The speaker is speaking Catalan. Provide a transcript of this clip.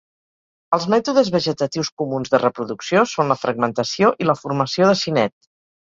Els mètodes vegetatius comuns de reproducció són la fragmentació i la formació d'acinet.